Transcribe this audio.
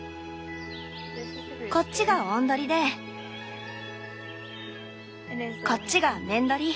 こっちがオンドリでこっちがメンドリ。